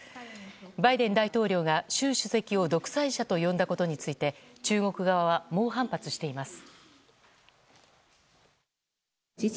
バイデン大統領が習主席を独裁者と呼んだことについて中国側は猛反発しています。